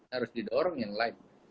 harus didorong yang lain